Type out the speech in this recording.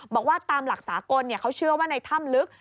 บอกว่าตามหลักสากลเขาเชื่อว่าในถ้ำลึก